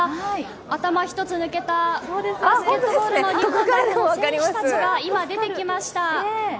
頭ひとつ抜けた、バスケットボールの日本代表の選手たちが今、出てきました。